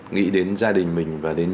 nghĩ đến gia đình mình và đến